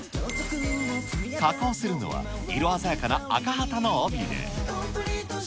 加工するのは、色鮮やかなアカハタの尾ビレ。